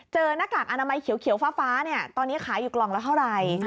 เจอหน้ากากอนามัยเขียวฟ้าตอนนี้ขายอยู่กล่องแล้วเท่าไร